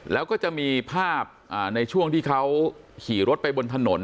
แล้วก็จะมีภาพในช่วงที่เขาขี่รถไปบนถนน